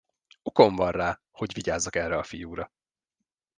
Okom van rá, hogy vigyázzak erre a fiúra.